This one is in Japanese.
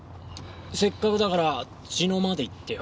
せっかくだから茅野まで行ってよ。